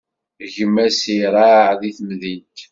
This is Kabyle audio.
Gma-s iraɛ deg temdint.